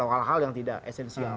hal hal yang tidak esensial